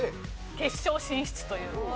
決勝進出という。